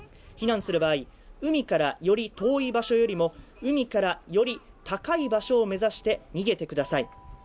避難する場合、海からより遠い場所よりも海からより高い場所を目指して逃げてください。